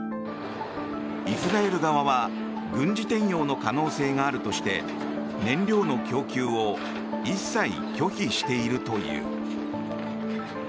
イスラエル側は軍事転用の可能性があるとして燃料の供給を一切拒否しているという。